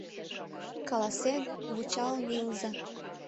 Каласен, вучалын илыза.